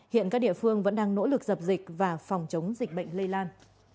hiện các địa phương vẫn đang nỗ lực dập dịch và phòng chống dịch bệnh lây lan